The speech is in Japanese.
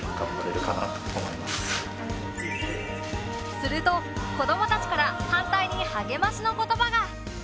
すると子どもたちから反対に励ましの言葉が。